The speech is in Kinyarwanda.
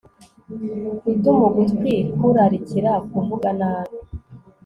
Gutuma ugutwi kurarikira kuvuga nabi